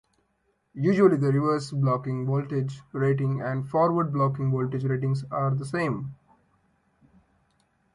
Usually, the reverse blocking voltage rating and forward blocking voltage rating are the same.